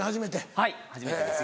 はい初めてです